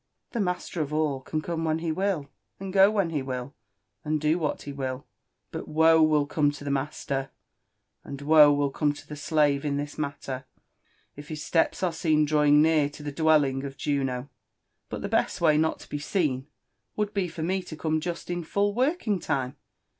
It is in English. The master of all can come when he will, and go when he will, and do what he will ; but woe will come to the master, and woe will come to the slave in this matter, if his steps are seen drawing near to the dwelling of Juno." " But the best way not to be seen would be for me to come jest in full working lime.